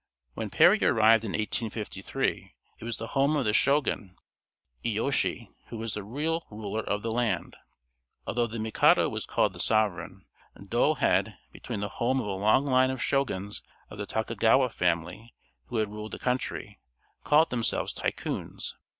When Perry arrived in 1853 it was the home of the Shogun Iyéyoshi, who was the real ruler of the land, although the Mikado was called the sovereign. Yedo had been the home of a long line of Shoguns of the Tokugawa family who had ruled the country, calling themselves "Tycoons."